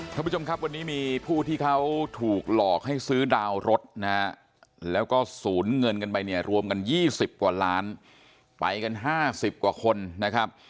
ท่านผู้ชมครับวันนี้มีผู้ที่เขาถูกหลอกให้ซื้อดาวน์รถนะฮะแล้วก็สูญเงินกันไปเนี่ยรวมกัน๒๐กว่าล้านไปกัน๕๐กว่าคนนะครับ